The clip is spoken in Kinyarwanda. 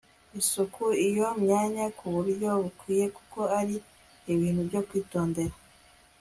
isuku iyo myanya ku buryo bukwiye kuko ari ibintu byo kwitondera